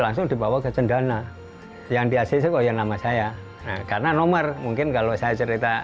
langsung dibawa ke cendana yang di acco yang nama saya karena nomor mungkin kalau saya cerita